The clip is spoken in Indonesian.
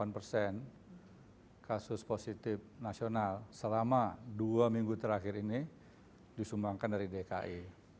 delapan persen kasus positif nasional selama dua minggu terakhir ini disumbangkan dari dki